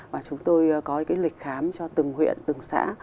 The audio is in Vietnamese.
và chúng tôi có cái lịch khám cho từng huyện từng xã